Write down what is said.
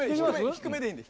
低めでいいんで。